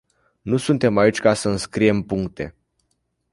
Nu suntem aici ca sa înscriem puncte.